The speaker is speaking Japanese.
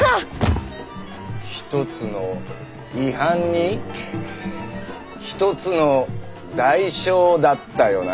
ひとつの違反にひとつの代償だったよな。